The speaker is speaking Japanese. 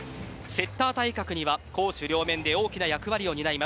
セッター、対角には攻守両面で大きな役割を担う